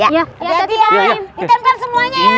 iya tati mbak di tempel semuanya ya